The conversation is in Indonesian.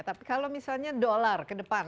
tapi kalau misalnya dolar ke depan